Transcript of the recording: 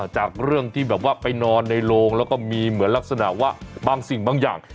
จากเรื่องที่แบบว่าไปนอนในโรงแล้วก็มีเหมือนลักษณะว่าบางสิ่งบางอย่าง